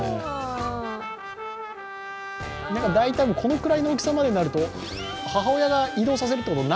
このくらいの大きさまでなると、母親が移動させるということは